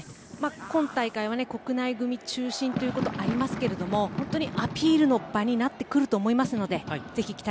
今大会は国内組中心ということがありますがアピールの場になってくると思いますので。